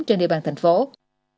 trên địa bàn tp hcm